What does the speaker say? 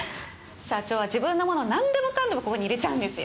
社長は自分のものなんでもかんでもここに入れちゃうんですよ。